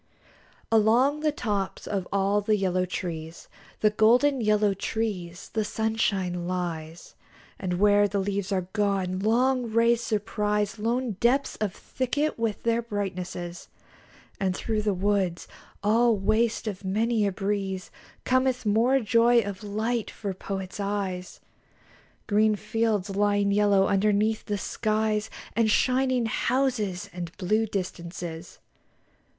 Along the tops of all the yellow trees, The golden yellow trees, the sunshine lies; And where the leaves are gone, long rays surprise Lone depths of thicket with their brightnesses; And through the woods, all waste of many a breeze, Cometh more joy of light for Poet's eyes Green fields lying yellow underneath the skies, And shining houses and blue distances.